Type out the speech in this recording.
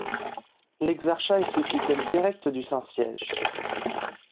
L'exarchat est sous tutelle directe du Saint Siège.